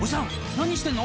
何してんの？